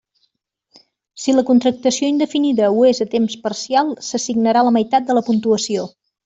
Si la contractació indefinida ho és a temps parcial, s'assignarà la meitat de la puntuació.